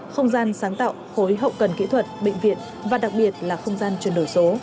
không gian sáng tạo khối hậu cần kỹ thuật bệnh viện và đặc biệt là không gian chuyển đổi số